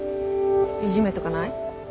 いじめとかない？